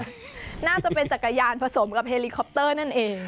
น่าจะเป็นจักรยานผสมกับเฮลิคอปเตอร์นั่นเอง